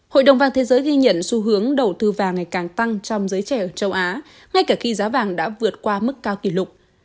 hội đồng vàng thế giới ghi nhận xu hướng đầu tư vàng ngày càng tăng trong giới trẻ ở châu á ngay cả khi giá vàng đã vượt qua mức cao kỷ lục